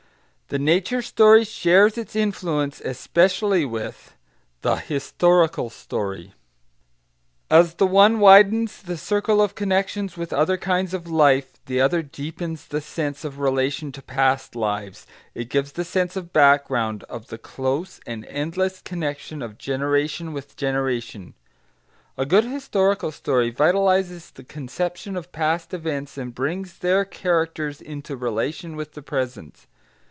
The nature story shares its influence especially with THE HISTORICAL STORY As the one widens the circle of connection with other kinds of life, the other deepens the sense of relation to past lives; it gives the sense of background, of the close and endless connection of generation with generation. A good historical story vitalises the conception of past events and brings their characters into relation with the present.